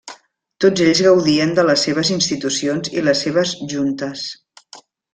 Tots ells gaudien de les seves institucions i les seves Juntes.